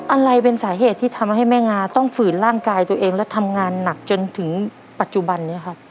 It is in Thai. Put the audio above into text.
อะไรเป็นสาเหตุที่ทำให้แม่งาต้องฝืนร่างกายตัวเองและทำงานหนักจนถึงปัจจุบันนี้ครับ